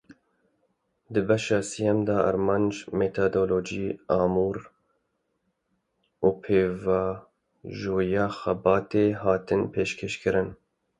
Di beşa sêyem de armanc, metadolojî, amûr û pêvajoya xebatê hatine pêşkeşkirin.